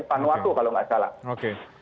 panuato kalau nggak salah